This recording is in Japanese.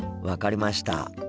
分かりました。